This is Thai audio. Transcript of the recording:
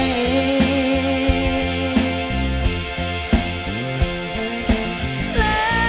แล้วใจของเธอจะเปลี่ยนไป